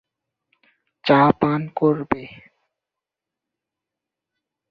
চা পান করবে?